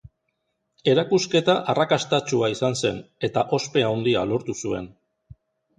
Erakusketa arrakastatsua izan zen, eta ospe handia lortu zuen.